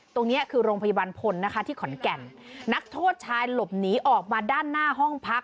ตรงนี้คือโรงพยาบาลพลนะคะที่ขอนแก่นนักโทษชายหลบหนีออกมาด้านหน้าห้องพัก